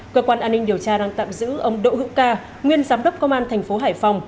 cơ quan an ninh điều tra đang tạm giữ ông đỗ hữu ca nguyên giám đốc công an thành phố hải phòng